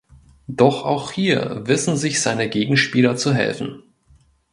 Doch auch hier wissen sich seine Gegenspieler zu helfen.